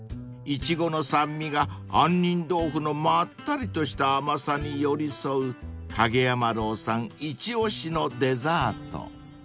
［イチゴの酸味が杏仁豆腐のまったりとした甘さに寄り添う蔭山樓さん一押しのデザート］